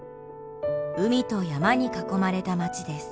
海と山に囲まれたまちです。